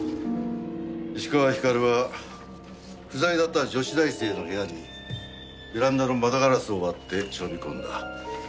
石川光は不在だった女子大生の部屋にベランダの窓ガラスを割って忍び込んだ。